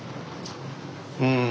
うん。